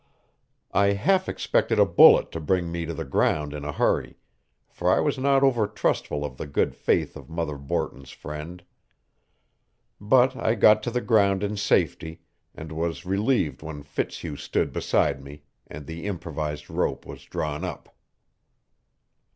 I half expected a bullet to bring me to the ground in a hurry, for I was not over trustful of the good faith of Mother Borton's friend. But I got to the ground in safety, and was relieved when Fitzhugh stood beside me, and the improvised rope was drawn up.